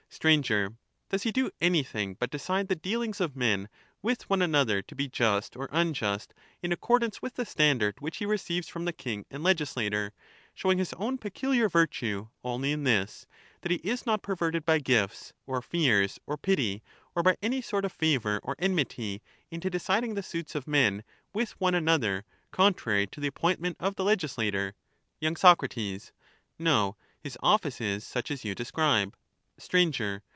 Sir, Does he do anything but decide the dealings of men with one another to be just or unjust in accordance with the standard which he receives from the king and legislator, — showing his own peculiar virtue only in this, that he is not perverted by gifts, or fears, or pity, or by any sort of favour or enmity, into deciding the suits of men with one another contrary to the appointment of the legislator ? y. Sac. No ; his office is such as you describe. Sir.